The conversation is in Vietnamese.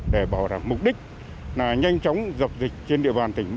để bảo đảm mục đích nhanh chóng dọc dịch trên địa bàn tỉnh